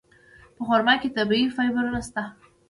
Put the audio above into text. په خرما کې طبیعي فایبرونه شته.